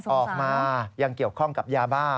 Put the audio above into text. ออกมายังเกี่ยวข้องกับยาบ้า